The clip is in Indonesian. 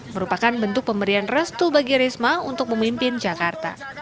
merupakan bentuk pemberian restu bagi risma untuk memimpin jakarta